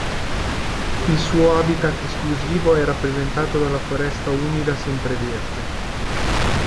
Il suo habitat esclusivo è rappresentato dalla foresta umida sempreverde.